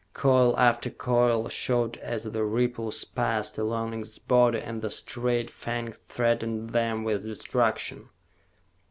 Coil after coil showed as the ripples passed along its body and the straight fang threatened them with destruction.